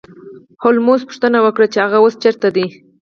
هولمز پوښتنه وکړه چې هغه اوس چیرته دی